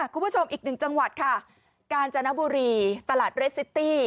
คุณผู้ชมอีกหนึ่งจังหวัดค่ะกาญจนบุรีตลาดเรสซิตี้